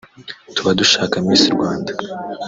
tuba dushaka Miss Rwanda